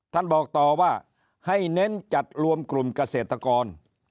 ท่านบอกต่อว่าให้เน้นจัดรวมกลุ่มเกษตรกร